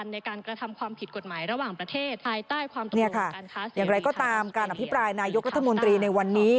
นี่ค่ะอย่างไรก็ตามการอภิปรายนายยกรัฐมนตรีในวันนี้